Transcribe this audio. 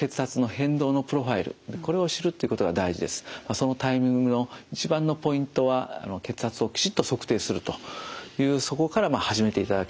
そのタイミングの一番のポイントは血圧をきちっと測定するというそこから始めていただきたいと。